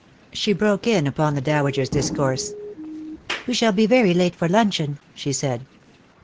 She broke in upon the dowager's discourse. "We shall be very late for luncheon," she said.